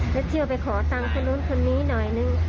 แล้วเจอไปขอตังคนนู้นฟังคนนี้หน่อยนึง